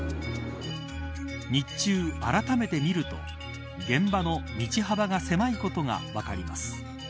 日中、あらためて見ると現場の道幅が狭いことが分かります。